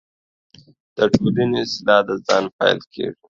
دټولنۍ اصلاح دځان څخه پیل کیږې